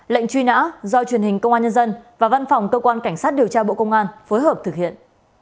lệnh truy nã do truyền hình công an nhân dân và văn phòng cơ quan cảnh sát điều tra bộ công an phối hợp thực hiện